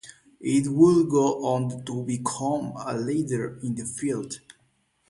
It would go on to become a leader in the field.